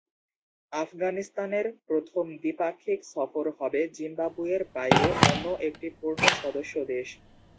আফগানিস্তানের প্রথম দ্বিপাক্ষিক সফর হবে জিম্বাবুয়ের বাইরে অন্য একটি পূর্ণ সদস্য দেশ।